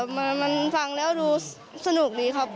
มันฟังแล้วดูสนุกดีครับ